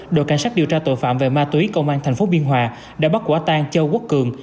đội cảnh sát điều tra tội phạm về ma túy công an thành phố biên hòa đã bắt quả tàn châu quốc cường